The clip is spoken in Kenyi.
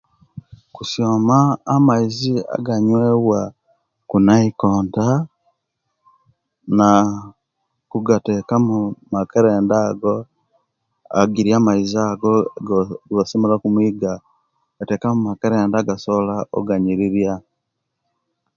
Kusyoma amaizi aganyewa kunaikonta na kugateka mu makerenda ago egiri amaizi ago egibasyomere okunwiga kuteka mu makerenda agasobola oganyirirya